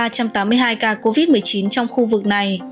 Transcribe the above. ba trăm tám mươi hai ca covid một mươi chín trong khu vực này